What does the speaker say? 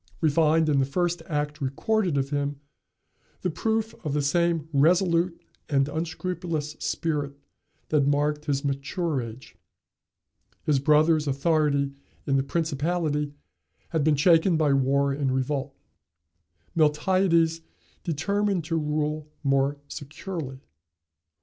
We find, in the first act recorded of him, the proof of the same resolute and unscrupulous spirit that marked his mature age. His brother's authority in the principality had been shaken by war and revolt: Miltiades determined to rule more securely.